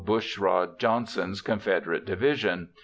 Bushrod Johnson's Confederate division.